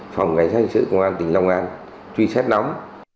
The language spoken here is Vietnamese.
phòng vật chất hình sự công an tỉnh long an truy xét đóng